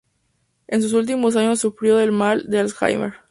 En sus últimos años sufrió del Mal de Alzheimer.